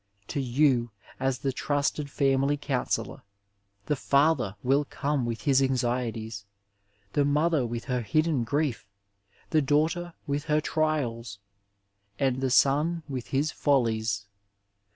To you, as the trusted family counsellor, the father will come with his anxieties, the mother with her hidden grief, the daughter with hear trials, and the son with his follies.